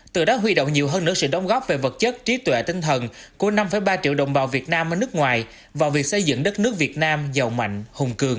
từ đó huy động nhiều hơn nữa sự đóng góp về vật chất trí tuệ tinh thần của năm ba triệu đồng bào việt nam ở nước ngoài vào việc xây dựng đất nước việt nam giàu mạnh hùng cường